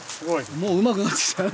もううまくなってきたね。